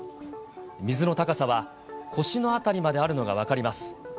水の高さは腰の辺りまであるのが分かります。